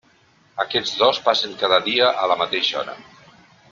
Aquests dos passen cada dia a la mateixa hora.